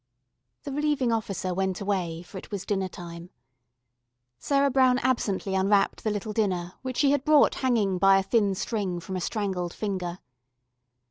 The Relieving Officer went away, for it was dinner time. Sarah Brown absently unwrapped the little dinner which she had brought hanging by a thin string from a strangled finger.